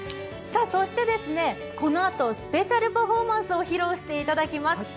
そしてこのあとスペシャルパフォーマンスを披露していただきます。